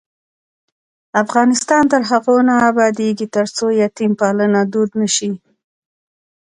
افغانستان تر هغو نه ابادیږي، ترڅو یتیم پالنه دود نشي.